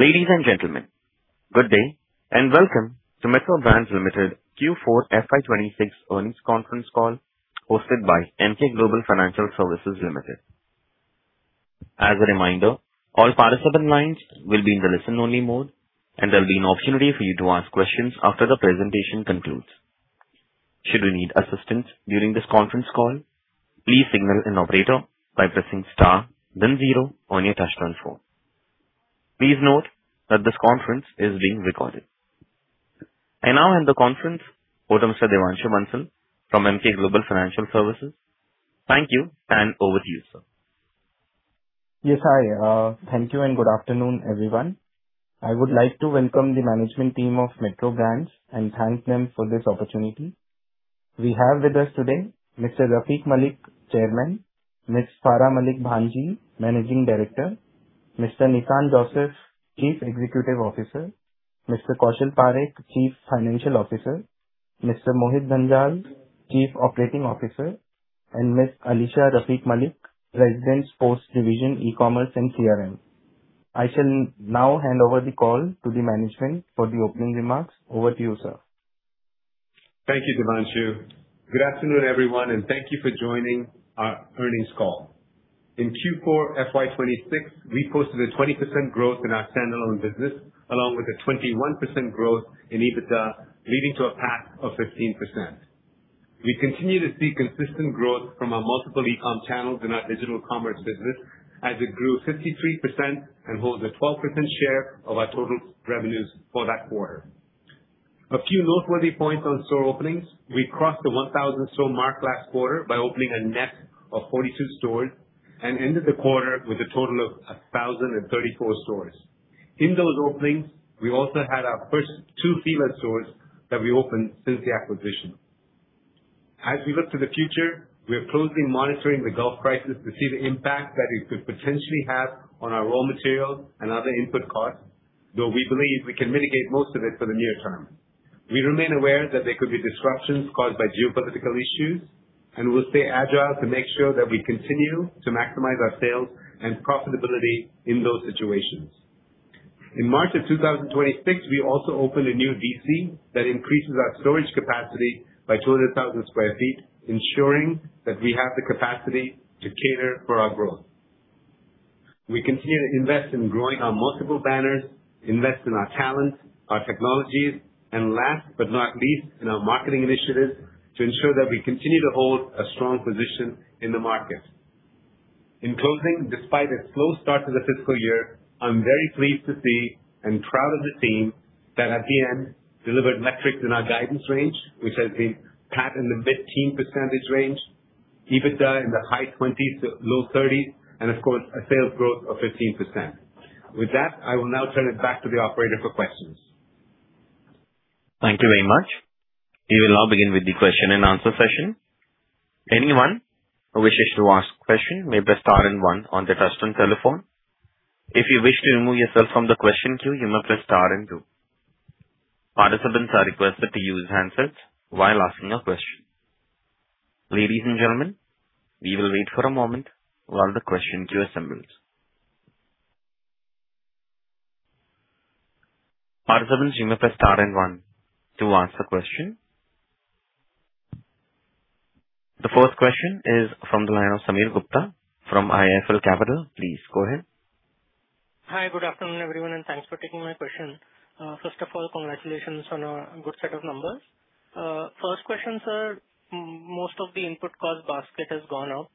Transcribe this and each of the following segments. Ladies and gentlemen, good day and welcome to Metro Brands Limited Q4 FY 2026 earnings conference call hosted by Emkay Global Financial Services Limited. As a reminder, all participant lines will be in the listen-only mode, and there will be an opportunity for you to ask questions after the presentation concludes. Should you need assistance during this conference call, please signal an operator by pressing star then zero on your touchtone phone. Please note that this conference is being recorded. I now hand the conference over to Mr. Devanshu Bansal from Emkay Global Financial Services. Thank you, and over to you, sir. Yes. Hi. Thank you and good afternoon, everyone. I would like to welcome the management team of Metro Brands and thank them for this opportunity. We have with us today Mr. Rafique Malik, Chairman, Ms. Farah Malik Bhanji, Managing Director, Mr. Nissan Joseph, Chief Executive Officer, Mr. Kaushal Parekh, Chief Financial Officer, Mr. Mohit Dhanjal, Chief Operating Officer, and Ms. Alisha Rafique Malik, President, Sports Division, E-commerce and CRM. I shall now hand over the call to the management for the opening remarks. Over to you, sir. Thank you, Devanshu. Good afternoon, everyone, and thank you for joining our earnings call. In Q4 FY 2026, we posted a 20% growth in our standalone business along with a 21% growth in EBITDA, leading to a PAT of 15%. We continue to see consistent growth from our multiple e-com channels in our digital commerce business as it grew 53% and holds a 12% share of our total revenues for that quarter. A few noteworthy points on store openings. We crossed the 1,000-store mark last quarter by opening a net of 42 stores and ended the quarter with a total of 1,034 stores. In those openings, we also had our first two Thea stores that we opened since the acquisition. As we look to the future, we are closely monitoring the Gulf crisis to see the impact that it could potentially have on our raw materials and other input costs, though we believe we can mitigate most of it for the near term. We remain aware that there could be disruptions caused by geopolitical issues, and we will stay agile to make sure that we continue to maximize our sales and profitability in those situations. In March of 2026, we also opened a new DC that increases our storage capacity by 200,000 sq ft, ensuring that we have the capacity to cater for our growth. We continue to invest in growing our multiple banners, invest in our talents, our technologies, and last but not least, in our marketing initiatives to ensure that we continue to hold a strong position in the market. In closing, despite a slow start to the fiscal year, I'm very pleased to see and proud of the team that at the end delivered metrics in our guidance range, which has been PAT in the mid-teen % range, EBITDA in the high 20%-low 30%, and of course, a sales growth of 15%. With that, I will now turn it back to the operator for questions. Thank you very much. We will now begin with the question and answer session. Anyone who wishes to ask question may press star and one on their touchtone telephone. If you wish to remove yourself from the question queue, you may press star and two. Participants are requested to use handsets while asking a question. Ladies and gentlemen, we will wait for a moment while the question queue assembles. Participants, you may press star and one to ask a question. The first question is from the line of Sameer Gupta from IIFL Capital. Please go ahead. Hi. Good afternoon, everyone, and thanks for taking my question. First of all, congratulations on a good set of numbers. First question, sir, most of the input cost basket has gone up.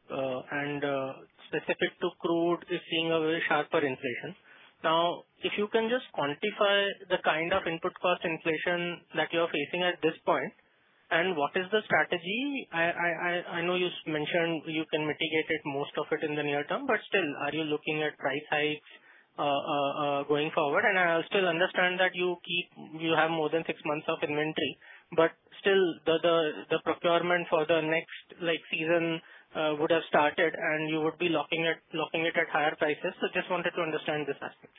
Specific to crude, we're seeing a very sharper inflation. Now, if you can just quantify the kind of input cost inflation that you're facing at this point, and what is the strategy? I know you mentioned you can mitigate it, most of it in the near term. Still, are you looking at price hikes going forward? I still understand that you have more than six months of inventory. Still, the procurement for the next season would have started, and you would be locking it at higher prices. Just wanted to understand this aspect.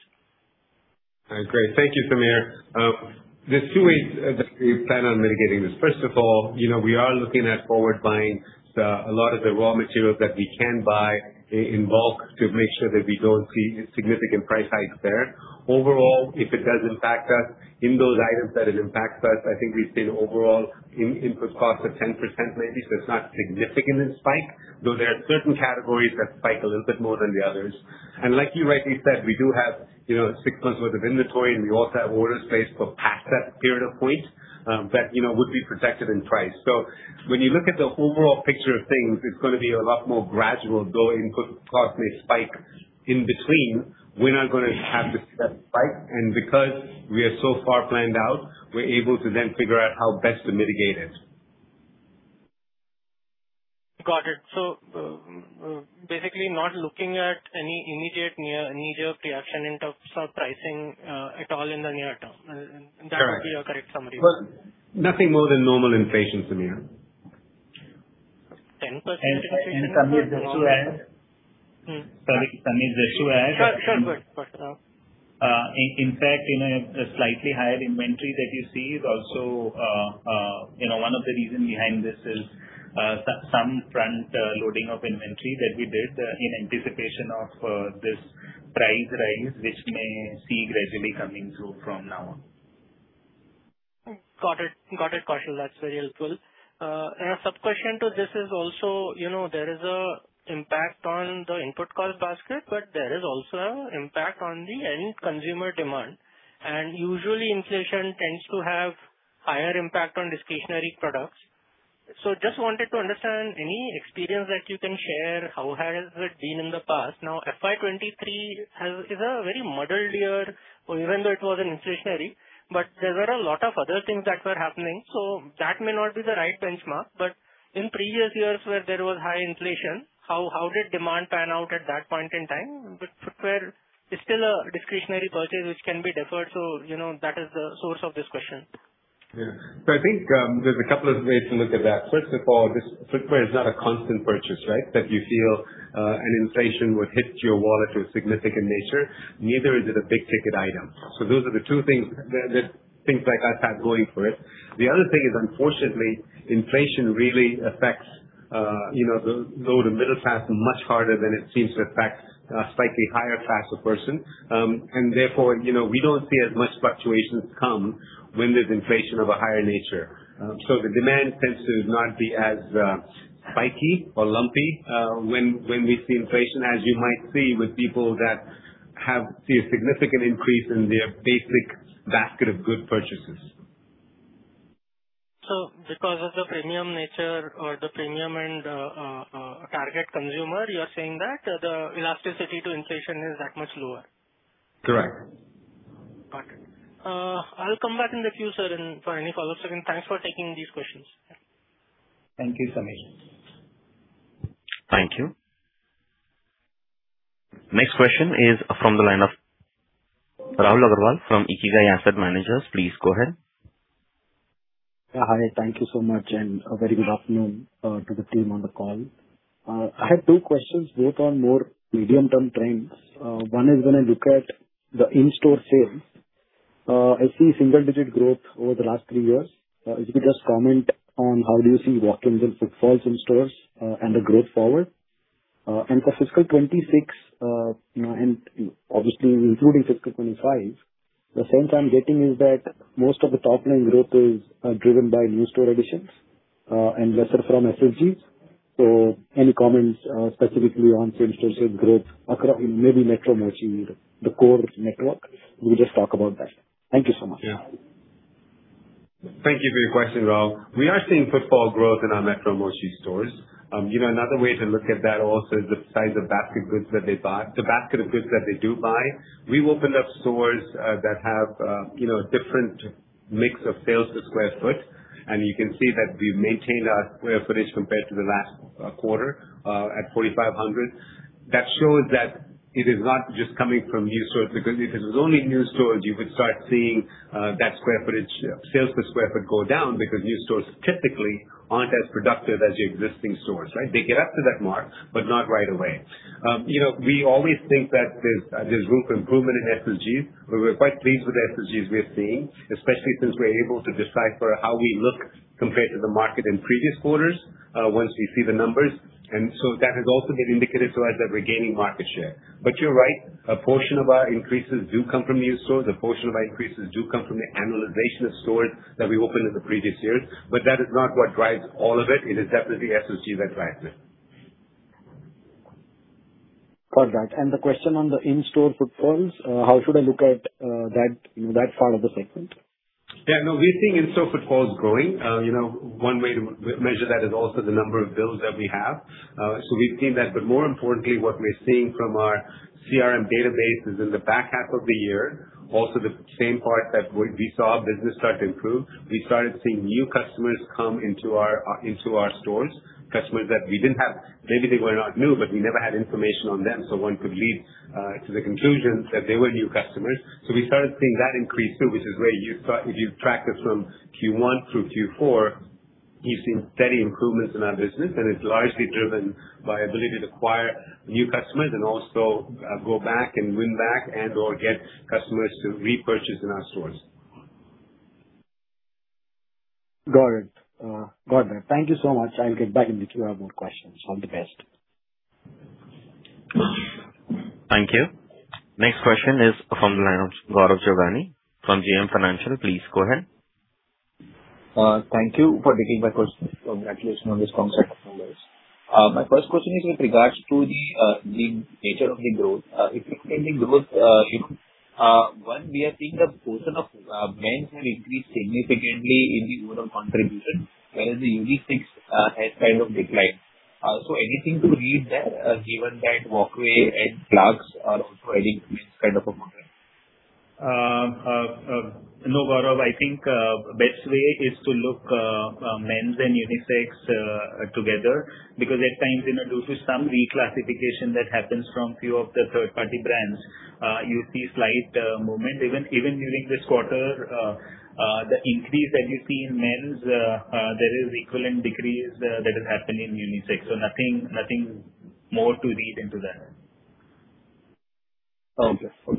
Great. Thank you, Sameer. There's two ways that we plan on mitigating this. First of all, we are looking at forward buying a lot of the raw materials that we can buy in bulk to make sure that we don't see significant price hikes there. Overall, if it does impact us in those items that it impacts us, I think we've seen overall input costs of 10%, maybe. It's not a significant spike, though there are certain categories that spike a little bit more than the others. Like you rightly said, we do have six months worth of inventory, and we also have orders placed for past that period of point that would be protected in price. When you look at the overall picture of things, it's going to be a lot more gradual, though input costs may spike in between, we're not going to have the step spike. Because we are so far planned out, we're able to then figure out how best to mitigate it. Got it. Basically not looking at any immediate reaction in terms of pricing at all in the near term. Correct. That would be a correct summary. Well, nothing more than normal inflation, Sameer. 10% inflation is normal. Sameer, this is Kaushal. Sorry, Sameer, this is Kaushal. Sure. Go ahead. In fact, a slightly higher inventory that you see is also one of the reason behind this is some front loading of inventory that we did in anticipation of this price rise, which may see gradually coming through from now on. Got it. Got it, Kaushal. That's very helpful. A sub-question to this is also, there is an impact on the input cost basket, but there is also an impact on the end consumer demand. Usually, inflation tends to have higher impact on discretionary products. Just wanted to understand any experience that you can share, how has it been in the past? Now, FY 2023 is a very muddled year, or even though it was an inflationary, but there were a lot of other things that were happening, so that may not be the right benchmark. In previous years where there was high inflation, how did demand pan out at that point in time? But footwear is still a discretionary purchase which can be deferred, so that is the source of this question. Yeah. I think, there's a couple of ways to look at that. First of all, footwear is not a constant purchase, right? That you feel, an inflation would hit your wallet to a significant nature. Neither is it a big-ticket item. Those are the two things that things like [ASAP] going for it. The other thing is, unfortunately, inflation really affects the low- to middle-class much harder than it seems to affect a slightly higher class of person. Therefore, we don't see as much fluctuations come when there's inflation of a higher nature. The demand tends to not be as spiky or lumpy, when we see inflation as you might see with people that have seen a significant increase in their basic basket of good purchases. Because of the premium nature or the premium and, target consumer, you are saying that the elasticity to inflation is that much lower? Correct. Got it. I'll come back in the future then for any follow-up. Again, thanks for taking these questions. Thank you, Sameer. Thank you. Next question is from the line of Rahul Agarwal from Ikigai Asset Manager. Please go ahead. Hi. Thank you so much, and a very good afternoon to the team on the call. I have two questions, both on more medium-term trends. One is when I look at the in-store sales, I see single-digit growth over the last three years. If you could just comment on how do you see walk-in with footfalls in stores, and the growth forward. And for fiscal 26, and obviously including fiscal 25, the sense I'm getting is that most of the top-line growth is driven by new store additions, and lesser from SSG. Any comments specifically on same-store sales growth across in maybe Metro Mochi, the core network? Will you just talk about that? Thank you so much. Thank you for your question, Rahul. We are seeing footfall growth in our Metro Mochi stores. Another way to look at that also is the basket of goods that they do buy. We've opened up stores that have different mix of sales to square foot, and you can see that we've maintained our square footage compared to the last quarter, at 4,500. That shows that it is not just coming from new stores, because if it was only new stores, you would start seeing that square footage, sales per square foot go down because new stores typically aren't as productive as your existing stores, right? They get up to that mark, but not right away. We always think that there's room for improvement in SSG. We're quite pleased with the SSG we're seeing, especially since we're able to decipher how we look compared to the market in previous quarters, once we see the numbers. That has also been indicative to us that we're gaining market share. You're right, a portion of our increases do come from new stores. A portion of our increases do come from the annualization of stores that we opened in the previous years. That is not what drives all of it. It is definitely SSG that drives it. Got that. The question on the in-store footfalls, how should I look at that part of the segment? Yeah, no, we're seeing in-store footfalls growing. One way to measure that is also the number of bills that we have. We've seen that, but more importantly, what we're seeing from our CRM database is in the back half of the year, also the same part that we saw business start to improve, we started seeing new customers come into our into our stores. Customers that we didn't have. Maybe they were not new, but we never had information on them, so one could lead to the conclusion that they were new customers. We started seeing that increase too, which is where if you've tracked us from Q1 through Q4, you've seen steady improvements in our business and it's largely driven by ability to acquire new customers and also go back and win back and/or get customers to repurchase in our stores. Got it. Got that. Thank you so much. I'll get back in the queue with more questions. All the best. Thank you. Next question is from the line of Gaurav Jogani from JM Financial. Please go ahead. Thank you for taking my question. Congratulations on this concept of numbers. My first question is with regards to the nature of the growth, if you're seeing the growth, you know, one, we are seeing the portion of men's has increased significantly in the overall contribution whereas the unisex has kind of declined. Anything to read there, given that Walkway and clogs are also adding this kind of a model? No, Gaurav, I think best way is to look men's and unisex together because at times, due to some reclassification that happens from few of the third-party brands, you see slight movement. Even during this quarter, the increase that you see in men's, there is equivalent decrease that is happening in unisex. Nothing, nothing more to read into that. Okay. Okay.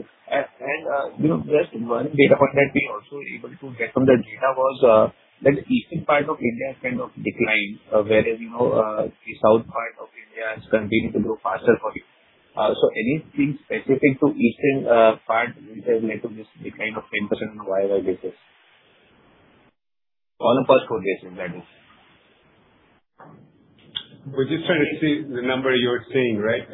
Just one data point that we also able to get from the data was that the eastern part of India has kind of declined, whereas the south part of Yeah, it's continuing to grow faster for you. Anything specific to eastern part which has led to this decline of 10% on a year-over-year basis? On a first quarter basis, that is. We're just trying to see the number you're saying, right?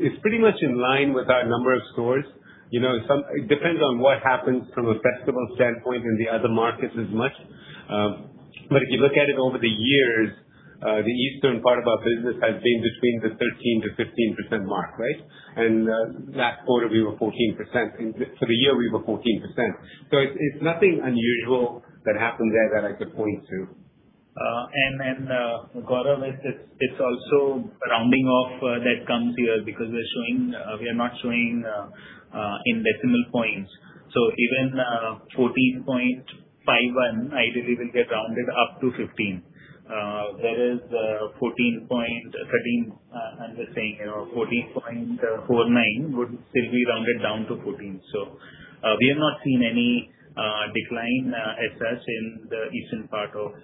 It's pretty much in line with our number of stores. It depends on what happens from a festival standpoint in the other markets as much. If you look at it over the years, the eastern part of our business has been between the 13%-15% mark, right? That quarter, we were 14%. For the year, we were 14%. It's nothing unusual that happened there that I could point to. Gaurav, it's also rounding off that comes here because we are not showing in decimal points. Even 14.51 ideally will get rounded up to 15. Whereas 14.49 would still be rounded down to 14. We have not seen any decline as such in the eastern part of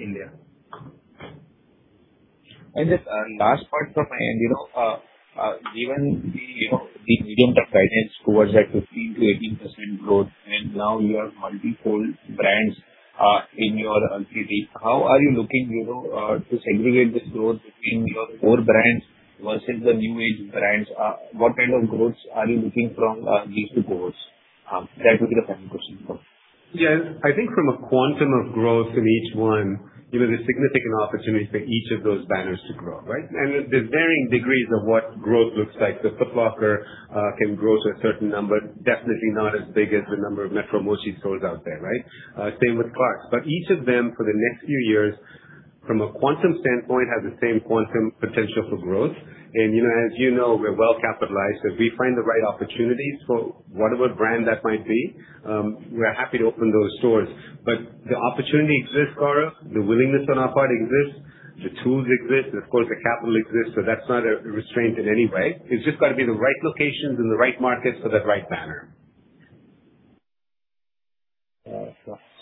India. Just last part from my end. Given the medium-term guidance towards that 15%-18% growth, now you have multi-fold brands in your [LTT], how are you looking to segregate this growth between your core brands versus the new age brands? What kind of growths are you looking from these two cores? That would be the second question. Yes. I think from a quantum of growth in each one, there's a significant opportunity for each of those banners to grow, right? There's varying degrees of what growth looks like. The Foot Locker can grow to a certain number, definitely not as big as the number of Metro Mochi stores out there, right? Same with Clarks. Each of them, for the next few years, from a quantum standpoint, has the same quantum potential for growth. As you know, we're well-capitalized. If we find the right opportunities for whatever brand that might be, we're happy to open those stores. The opportunity exists, Gaurav. The willingness on our part exists. The tools exist, and of course, the capital exists. That's not a restraint in any way. It's just got to be the right locations and the right markets for that right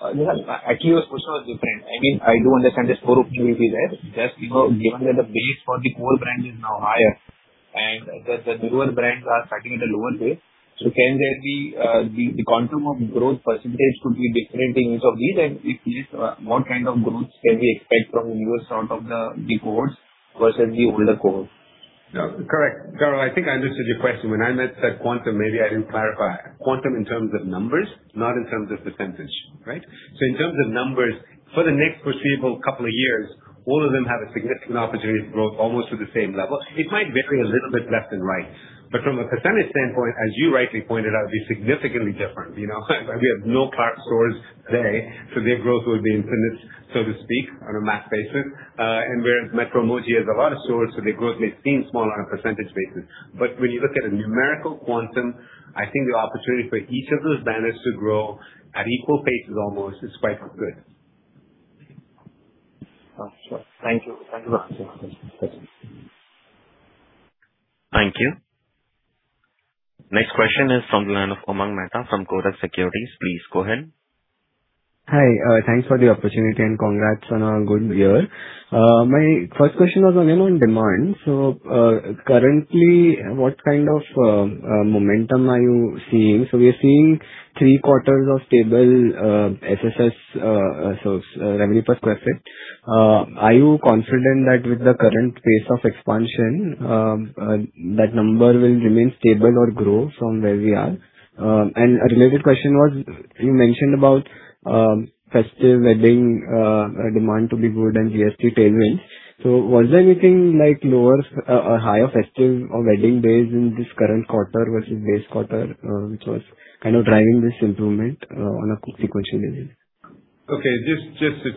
banner. Yeah, sure. Actually, your question was different. I do understand there's core opportunity there. Just given that the base for the core brand is now higher and that the newer brands are starting at a lower base. Can there be the quantum of growth percentage could be different in each of these? If yes, what kind of growths can we expect from newer set of the cores versus the older cores? No, correct. Gaurav, I think I understood your question. When I said quantum, maybe I didn't clarify. Quantum in terms of numbers, not in terms of percentage, right? In terms of numbers, for the next foreseeable couple of years, all of them have a significant opportunity to grow almost to the same level. It might vary a little bit left and right. From a percentage standpoint, as you rightly pointed out, it'd be significantly different. We have no Clarks stores today, so their growth will be infinite, so to speak, on a math basis. Whereas Metro Mochi has a lot of stores, so their growth may seem small on a percentage basis. When you look at a numerical quantum, I think the opportunity for each of those banners to grow at equal pace almost is quite good. Sure. Thank you. Thank you for answering my questions. Thank you. Next question is from the line of Umang Mehta from Kotak Securities. Please go ahead. Hi. Thanks for the opportunity, congrats on a good year. My first question was again on demand. Currently, what kind of momentum are you seeing? We are seeing three quarters of stable FSS, so revenue per square foot. Are you confident that with the current pace of expansion, that number will remain stable or grow from where we are? A related question was, you mentioned about festive wedding demand to be good and GST tailwinds. Was there anything like lower or higher festive or wedding days in this current quarter versus base quarter, which was kind of driving this improvement on a sequential basis? Okay. Just to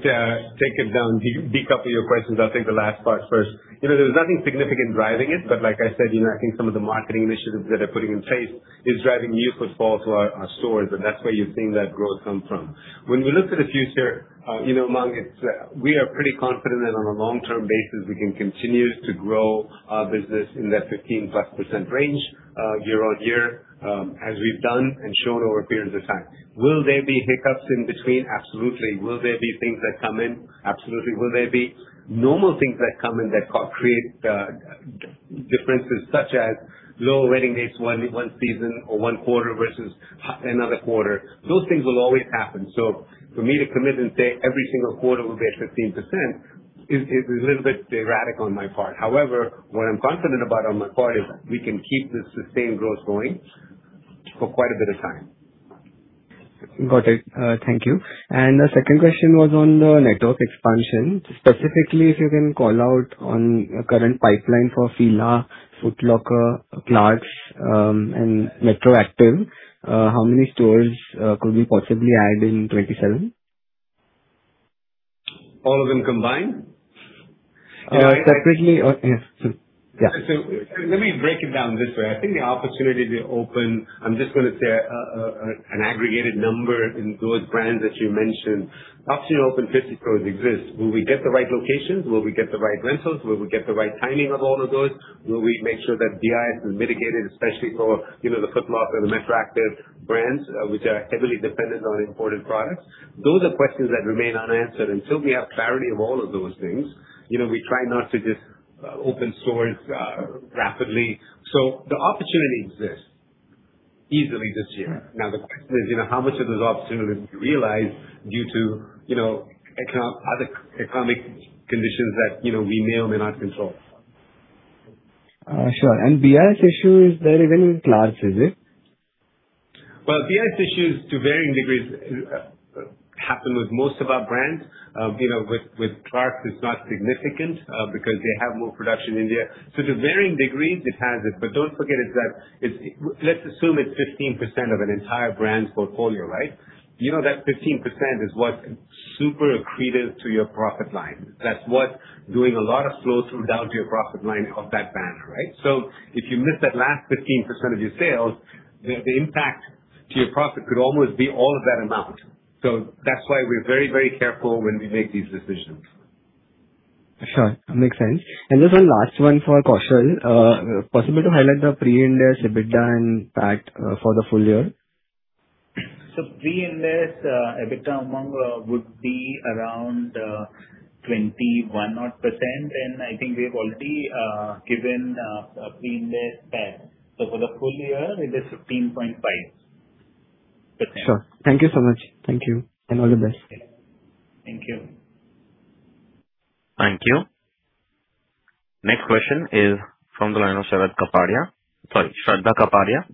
take it down, decouple your questions. I'll take the last part first. There was nothing significant driving it, like I said, I think some of the marketing initiatives that we're putting in place is driving new footfall to our stores, that's where you're seeing that growth come from. When we look to the future, Umang, we are pretty confident that on a long-term basis, we can continue to grow our business in that 15+% range year-on-year as we've done and shown over periods of time. Will there be hiccups in between? Absolutely. Will there be things that come in? Absolutely. Will there be normal things that come in that create differences such as lower wedding dates one season or one quarter versus another quarter? Those things will always happen. For me to commit and say every single quarter will be at 15% is a little bit erratic on my part. However, what I'm confident about on my part is we can keep this sustained growth going for quite a bit of time. Thank you. The second question was on the network expansion. Specifically, if you can call out on current pipeline for Fila, Foot Locker, Clarks, and MetroActiv. How many stores could we possibly add in 2027? All of them combined? Separately. Yeah. Let me break it down this way. I think the opportunity to open, I am just going to say an aggregated number in those brands that you mentioned. Opportunity to open 50 stores exists. Will we get the right locations? Will we get the right rentals? Will we get the right timing of all of those? Will we make sure that BIS is mitigated, especially for the Foot Locker and the MetroActiv brands, which are heavily dependent on imported products? Those are questions that remain unanswered. Until we have clarity of all of those things, we try not to just open stores rapidly. The opportunity exists easily this year. Now, the question is, how much of those opportunities we realize due to other economic conditions that we may or may not control. Sure. BIS issue is there even in Clarks, is it? Well, BIS issues, to varying degrees, happen with most of our brands. With Clarks, it's not significant because they have more production in India. To varying degrees, it has it. Don't forget, let's assume it's 15% of an entire brand's portfolio, right? You know that 15% is what's super accretive to your profit line. That's what's doing a lot of flow through down to your profit line of that banner, right? If you miss that last 15% of your sales, the impact to your profit could almost be all of that amount. That's why we're very, very careful when we make these decisions. Sure. Makes sense. Just one last one for Kaushal. Possible to highlight the pre-Ind AS EBITDA impact for the full year? Pre-Ind AS EBITDA Umang would be around 21 odd percent, and I think we have already given a pre-Ind AS EBITDA. For the full year, it is 15.5%. Sure. Thank you so much. Thank you. All the best. Thank you. Thank you. Next question is from the line of Shraddha Kapadia. Sorry, Shraddha Kapadia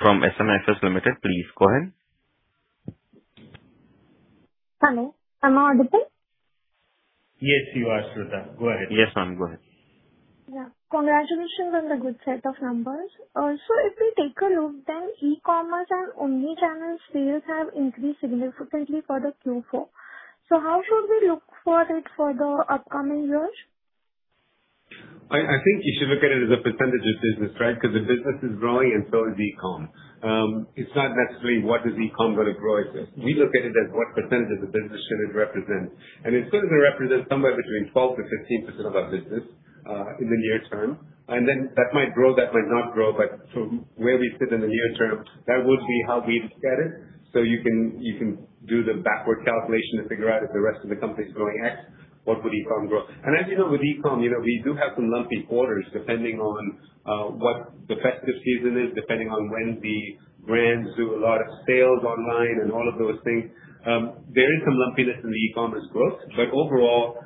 from SMIFS Limited. Please go ahead. Hello. Am I audible? Yes, you are, Shraddha. Go ahead. Yes, ma'am. Go ahead. Congratulations on the good set of numbers. If we take a look, then e-commerce and omni-channel sales have increased significantly for the Q4. How should we look for it for the upcoming years? I think you should look at it as a percentage of business, right? The business is growing and so is e-com. It's not necessarily what is e-com going to grow as this. We look at it as what percentage of the business should it represent. It's going to represent somewhere between 12%-15% of our business, in the near term. That might grow, that might not grow, but from where we sit in the near term, that would be how we look at it. You can do the backward calculation to figure out if the rest of the company's growing at X, what would e-com grow. As you know, with e-com, we do have some lumpy quarters depending on what the festive season is, depending on when the brands do a lot of sales online and all of those things. There is some lumpiness in the e-commerce growth. Overall,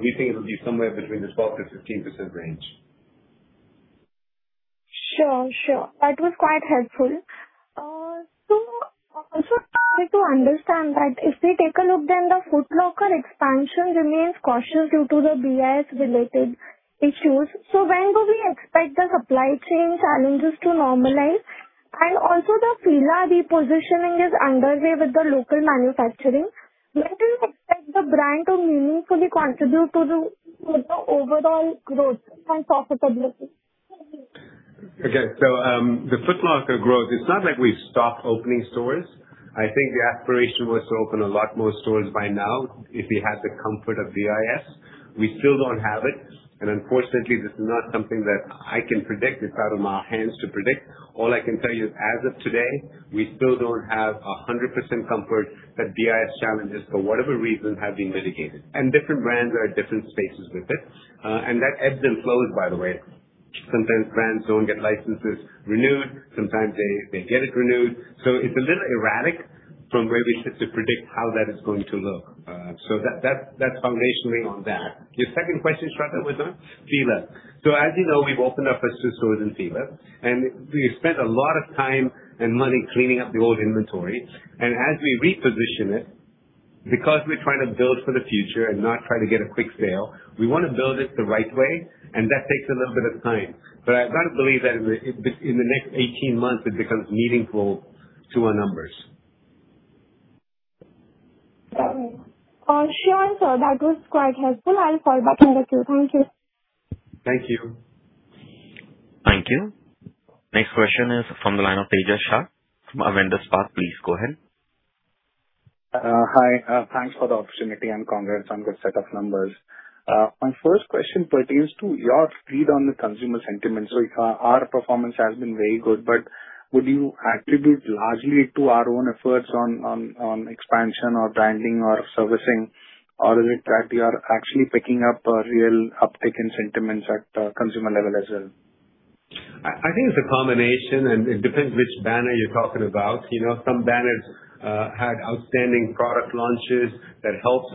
we think it'll be somewhere between the 12%-15% range. Sure. That was quite helpful. Also to understand that if we take a look, the Foot Locker expansion remains cautious due to the BIS-related issues. When do we expect the supply chain challenges to normalize? Also the Fila repositioning is underway with the local manufacturing. When do you expect the brand to meaningfully contribute to the overall growth and profitability? Okay. The Foot Locker growth, it's not like we've stopped opening stores. I think the aspiration was to open a lot more stores by now if we had the comfort of BIS. We still don't have it, and unfortunately, this is not something that I can predict. It's out of our hands to predict. All I can tell you is as of today, we still don't have 100% comfort that BIS challenges, for whatever reason, have been mitigated. Different brands are at different spaces with it. That ebbs and flows, by the way. Sometimes brands don't get licenses renewed, sometimes they get it renewed. It's a little erratic from where we sit to predict how that is going to look. That's foundationally on that. Your second question, Shraddha, was on Fila. As you know, we've opened up our stores in Fila, we spent a lot of time and money cleaning up the old inventory. As we reposition it, because we're trying to build for the future and not trying to get a quick sale, we want to build it the right way, and that takes a little bit of time. I've got to believe that in the next 18 months, it becomes meaningful to our numbers. Got it. Sure. That was quite helpful. I will follow back with you. Thank you. Thank you. Thank you. Next question is from the line of Tejas Shah from Avendus Spark. Please go ahead. Hi. Thanks for the opportunity and congrats on the set of numbers. My first question pertains to your read on the consumer sentiment. Our performance has been very good, but would you attribute largely to our own efforts on expansion or branding or servicing? Or is it that we are actually picking up a real uptick in sentiments at consumer level as well? I think it's a combination, and it depends which banner you're talking about. Some banners had outstanding product launches. That helps.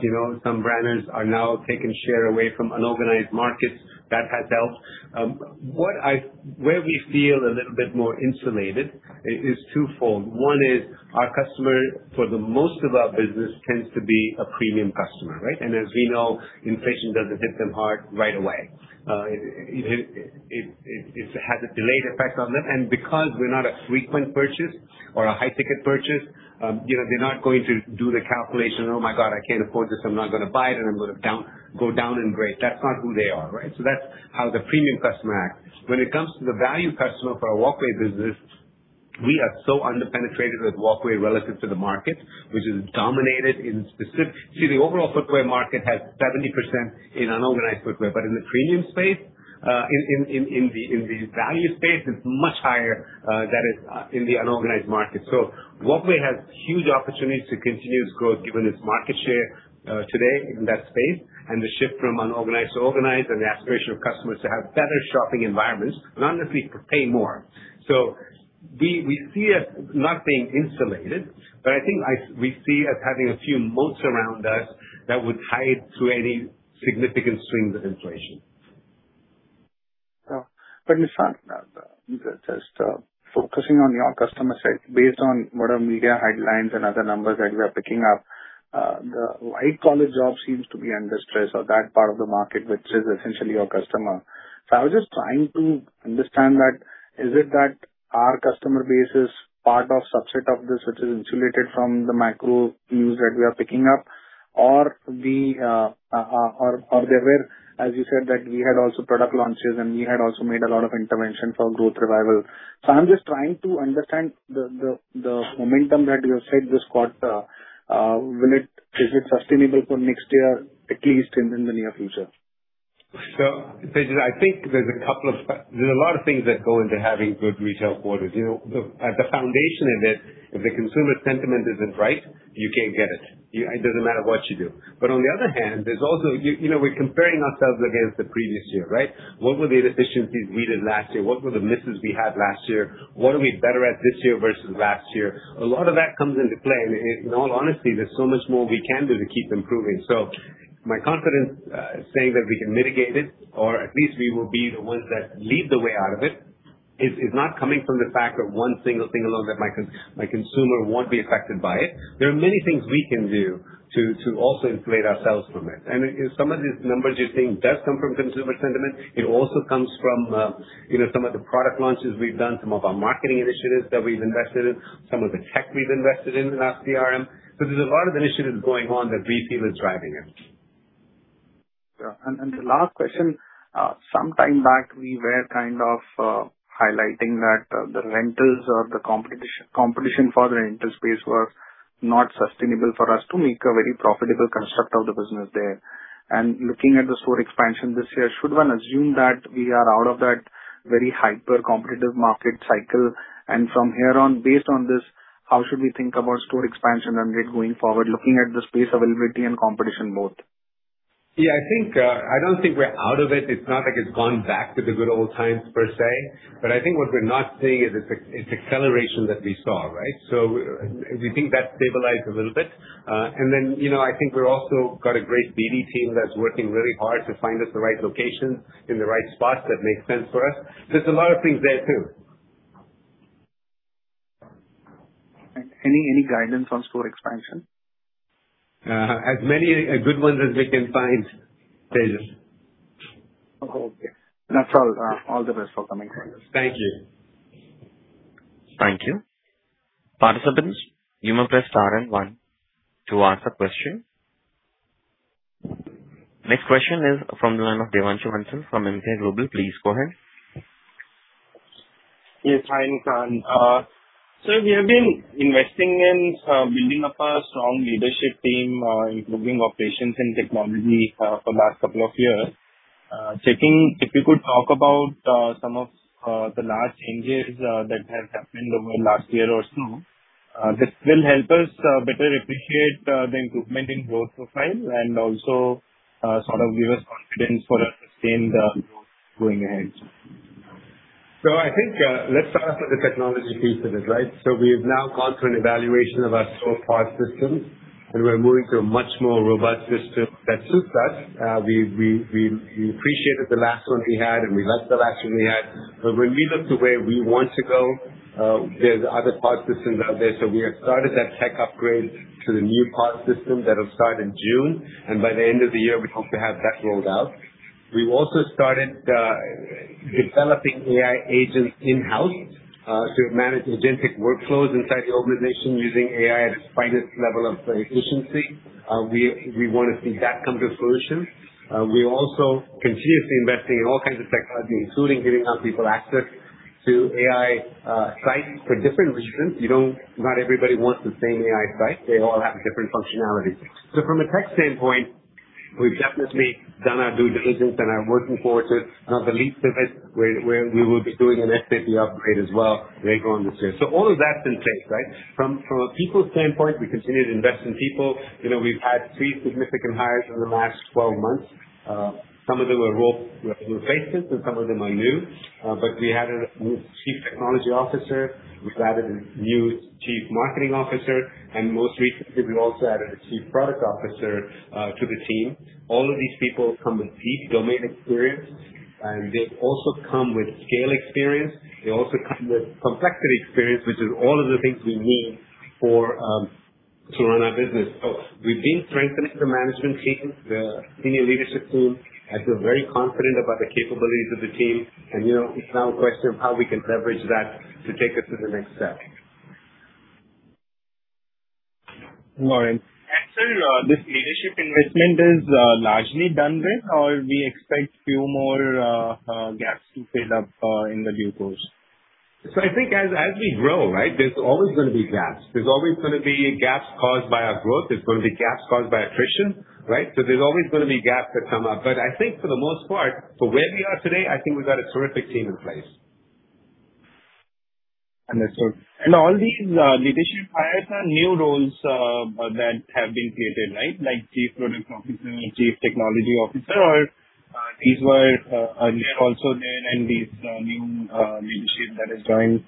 Some banners are now taking share away from unorganized markets. That has helped. Where we feel a little bit more insulated is twofold. One is our customer, for the most of our business, tends to be a premium customer, right? And as we know, inflation doesn't hit them hard right away. It has a delayed effect on them. And because we're not a frequent purchase or a high-ticket purchase, they're not going to do the calculation, "Oh my God, I can't afford this. I'm not going to buy it, and I'm going to go down and break." That's not who they are, right? That's how the premium customer acts. When it comes to the value customer for our Walkway business, we are so under-penetrated with Walkway relative to the market, which is dominated in specific. See, the overall footwear market has 70% in unorganized footwear, but in the premium space, in the value space, it's much higher, that is, in the unorganized market. Walkway has huge opportunities to continue its growth given its market share today in that space and the shift from unorganized to organized and the aspiration of customers to have better shopping environments and honestly pay more. We see us not being insulated, but I think we see us having a few moats around us that would tie it to any significant swings of inflation. Yeah. Nissan, just focusing on your customer set, based on whatever media headlines and other numbers that we are picking up, the white collar jobs seems to be under stress or that part of the market, which is essentially your customer. I was just trying to understand that, is it that our customer base is part of subset of this, which is insulated from the macro views that we are picking up? Or there were, as you said, that we had also product launches, and we had also made a lot of intervention for growth revival. I'm just trying to understand the momentum that you have said this quarter, is it sustainable for next year, at least in the near future? Tejas, I think there's a lot of things that go into having good retail quarters. At the foundation of it, if the consumer sentiment isn't right, you can't get it. It doesn't matter what you do. But on the other hand, we're comparing ourselves against the previous year, right? What were the inefficiencies we did last year? What were the misses we had last year? What are we better at this year versus last year? A lot of that comes into play. And in all honesty, there's so much more we can do to keep improving. My confidence, saying that we can mitigate it or at least we will be the ones that lead the way out of it, is not coming from the fact that one single thing alone, that my consumer won't be affected by it. There are many things we can do to also insulate ourselves from it. Some of these numbers you're seeing does come from consumer sentiment. It also comes from some of the product launches we've done, some of our marketing initiatives that we've invested in, some of the tech we've invested in our CRM. There's a lot of initiatives going on that we feel is driving it. Yeah. The last question. Some time back, we were kind of highlighting that the rentals or the competition for the rental space was not sustainable for us to make a very profitable construct of the business there. Looking at the store expansion this year, should one assume that we are out of that very hyper-competitive market cycle? From here on, based on this, how should we think about store expansion and rate going forward, looking at the space availability and competition both? Yeah, I don't think we're out of it. It's not like it's gone back to the good old times per se. I think what we're not seeing is its acceleration that we saw, right? We think that stabilized a little bit. Then, I think we're also got a great BD team that's working really hard to find us the right locations in the right spots that make sense for us. There's a lot of things there, too. Any guidance on store expansion? As many good ones as we can find, Tejas. Okay. That's all. All the best for coming quarters. Thank you. Thank you. Participants, you may press star and one to ask a question. Next question is from the line of Devanshu Bansal from Emkay Global. Please go ahead. Yes. Hi, Nissan. We have been investing in building up a strong leadership team, improving operations and technology for the last couple of years. Checking if you could talk about some of the large changes that have happened over the last year or so. This will help us better appreciate the improvement in growth profile and also sort of give us confidence for us in the road going ahead. I think, let's start off with the technology piece of it, right? We have now gone through an evaluation of our store POS system, and we are moving to a much more robust system that suits us. We appreciated the last one we had, and we loved the last one we had. When we looked the way we want to go, there is other POS systems out there. We have started that tech upgrade to the new POS system that will start in June, and by the end of the year, we hope to have that rolled out. We have also started developing AI agents in-house, to manage agentic workflows inside the organization using AI at its finest level of efficiency. We want to see that come to fruition. We are also continuously investing in all kinds of technology, including giving our people access to AI sites for different reasons. Not everybody wants the same AI site. They all have different functionalities. From a tech standpoint, we have definitely done our due diligence, and are working towards it. Now the lease of it, where we will be doing an SAP upgrade as well later on this year. All of that is in place, right? From a people standpoint, we continue to invest in people. We have had three significant hires in the last 12 months. Some of them are role replacements, and some of them are new. We added a new Chief Technology Officer, we have added a new Chief Marketing Officer, and most recently, we also added a Chief Product Officer to the team. All of these people come with deep domain experience, and they also come with scale experience. They also come with complexity experience, which is all of the things we need to run our business. We have been strengthening the management team, the senior leadership team. I feel very confident about the capabilities of the team, and it is now a question of how we can leverage that to take us to the next step. Sir, this leadership investment is largely done with, or we expect few more gaps to fill up in the due course? I think as we grow, right, there's always going to be gaps. There's always going to be gaps caused by our growth. There's going to be gaps caused by attrition, right? There's always going to be gaps that come up. I think for the most part, for where we are today, I think we've got a terrific team in place. Understood. All these leadership hires are new roles that have been created, right? Like chief product officer and chief technology officer, or these were also there in this new leadership that has joined?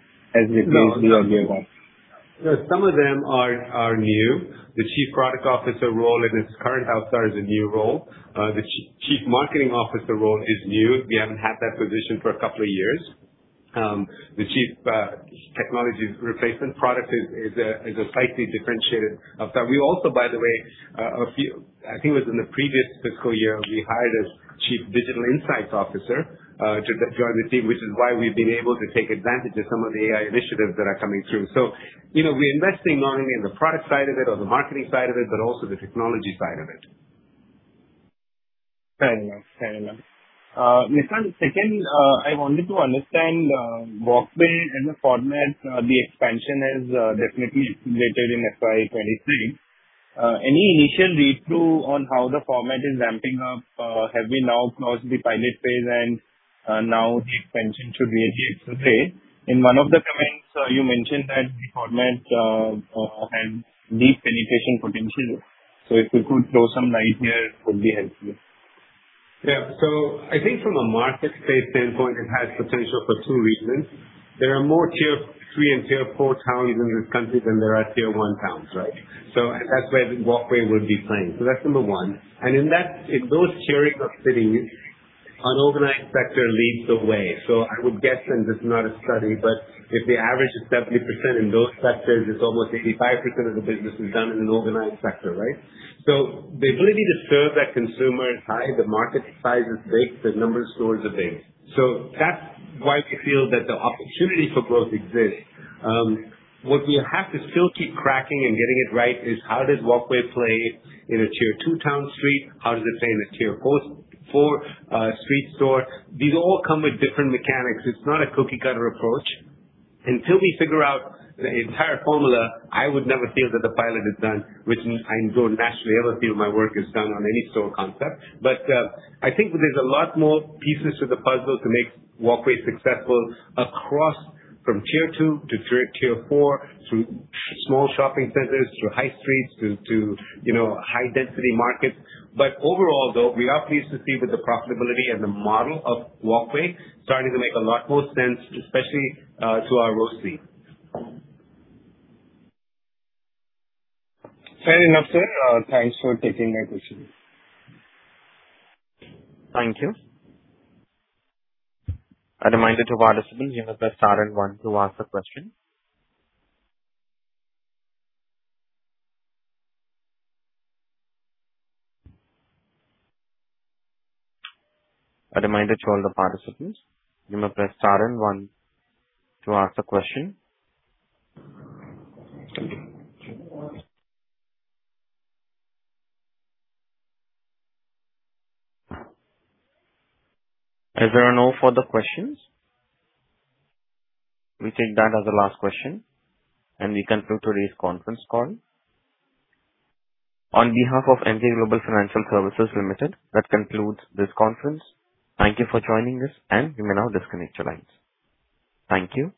Some of them are new. The chief product officer role in its current avatar is a new role. The chief marketing officer role is new. We haven't had that position for a couple of years. The chief technology replacement product is a slightly differentiated avatar. We also, by the way, I think it was in the previous fiscal year, we hired a chief digital insights officer to join the team, which is why we've been able to take advantage of some of the AI initiatives that are coming through. We're investing not only in the product side of it or the marketing side of it, but also the technology side of it. Fair enough. Nissan, second, I wanted to understand Walkway and the format. The expansion has definitely accelerated in FY 2023. Any initial read-through on how the format is ramping up? Have we now crossed the pilot phase and now the expansion to be H2 2023? In one of the comments, you mentioned that the format has deep penetration potential. If you could throw some light here, it would be helpful. Yeah. I think from a market space standpoint, it has potential for two reasons. There are more tier 3 and tier 4 towns in this country than there are tier 1 towns, right? That's where Walkway would be playing. That's number 1. In those tier cities, unorganized sector leads the way. I would guess, and this is not a study, but if the average is 70% in those sectors, it's almost 85% of the business is done in an organized sector, right? The ability to serve that consumer is high, the market size is big, the number of stores are big. That's why we feel that the opportunity for growth exists. What we have to still keep cracking and getting it right is, how does Walkway play in a tier 2 town street? How does it play in a tier 4 street store? These all come with different mechanics. It's not a cookie-cutter approach. Until we figure out the entire formula, I would never feel that the pilot is done, which means I don't naturally ever feel my work is done on any store concept. I think there's a lot more pieces to the puzzle to make Walkway successful across from tier 2 to tier 4, through small shopping centers, through high streets, to high-density markets. Overall, though, we are pleased to see that the profitability and the model of Walkway starting to make a lot more sense, especially to our ROI. Fair enough, sir. Thanks for taking my question. Thank you. A reminder to participants, you may press star and one to ask the question. A reminder to all the participants, you may press star and one to ask the question. As there are no further questions, we take that as the last question, and we conclude today's conference call. On behalf of Emkay Global Financial Services Limited, that concludes this conference. Thank you for joining us, and you may now disconnect your lines. Thank you.